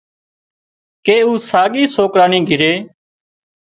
ڪي او ساڳي سوڪرا نِي گھري